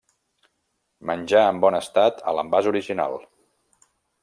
Menjar en bon estat a l'envàs original.